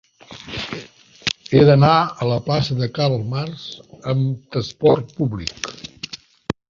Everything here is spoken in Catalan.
He d'anar a la plaça de Karl Marx amb trasport públic.